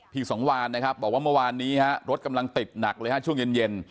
พี่สองวานบอกว่าเมื่อวานนี้รถกำลังติดหนักเลยช่วงเย็น